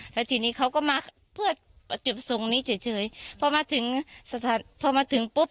แล้วทีนี้เขาก็มาเพื่อจบทรงนี้เฉยเฉยเพราะมาถึงพอมาถึงปุ๊บ